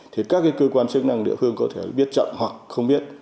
thì các cơ quan chức năng địa phương có thể biết chậm hoặc không biết